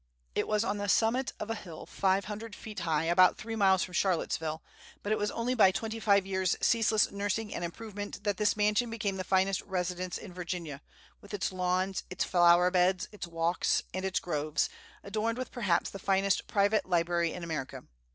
It was on the summit of a hill five hundred feet high, about three miles from Charlottesville; but it was only by twenty five years' ceaseless nursing and improvement that this mansion became the finest residence in Virginia, with its lawns, its flower beds, its walks, and its groves, adorned with perhaps the finest private library in America.